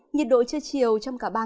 nhiệt độ chưa chiều trong cả ba ngày tới